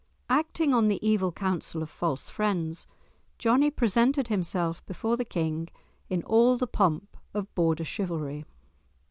Acting on the evil counsel of false friends, Johnie presented himself before the King in all the pomp of Border chivalry.